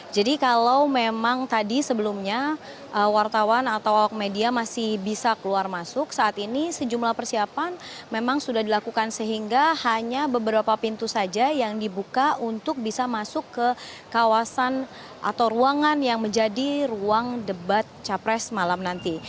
jadi kalau memang tadi sebelumnya wartawan atau media masih bisa keluar masuk saat ini sejumlah persiapan memang sudah dilakukan sehingga hanya beberapa pintu saja yang dibuka untuk bisa masuk ke kawasan atau ruangan yang menjadi ruang debat capres malam nanti